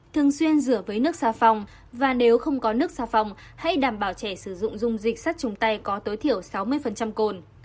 thường xuyên rửa với nước xa phòng và nếu không có nước xa phòng hãy đảm bảo trẻ sử dụng dung dịch sát trùng tay có tối thiểu sáu mươi cồn